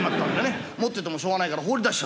持っててもしょうがないから放り出しちゃった。